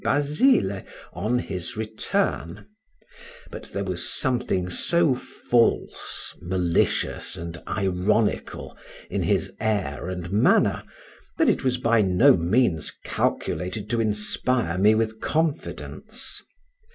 Basile on his return; but there was something so false, malicious, and ironical, in his air and manner, that it was by no means calculated to inspire me with confidence.